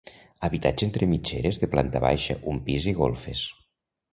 Habitatge entre mitgeres de planta baixa, un pis i golfes.